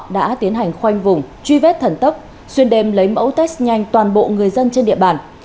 đã tiến hành khoanh vùng truy vết thần tấp xuyên đem lấy mẫu test nhanh toàn bộ người dân trên địa bàn